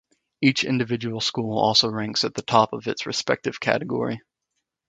Each individual school also ranks at the top of its respective category.